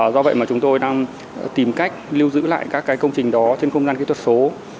do vậy mà chúng tôi đang tìm cách lưu giữ lại các cái công trình đó trên không gian kỹ thuật số